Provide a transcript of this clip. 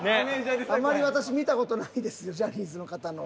あまり私見た事ないですよジャニーズの方の。